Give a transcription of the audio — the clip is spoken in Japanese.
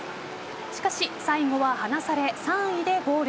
しかし、最後は離され３位でゴール。